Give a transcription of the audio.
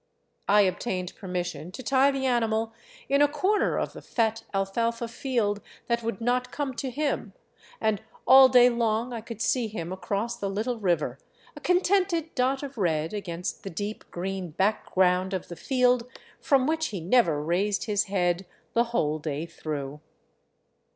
I obtained permission to tie 402 THE ROUTE OF THE CONQUISTADORES the animal in a corner of the fat alfalfa field that would not come to him, and all day long I could see him across the little river, a contented dot of red against the deep green background of the field from which he never raised his head the whole day through.